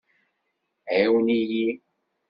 Ɛiwen-iyi.